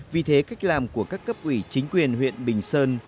vì thế cách làm của các cấp ủy chính quyền huyện bình sơn